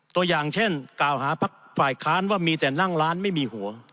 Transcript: ตัวอย่างเช่นกล่าวหาพักฝ่ายค้านว่ามีแต่นั่งร้านไม่มีหัว